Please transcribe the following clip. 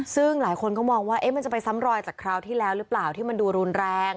ซึ่งหลายคนก็มองว่ามันจะไปซ้ำรอยจากคราวที่แล้วหรือเปล่าที่มันดูรุนแรง